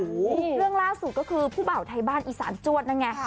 เรื่องล่าสุดก็คือผู้บ่าวไทยบ้านอีสานจวดนั่นไง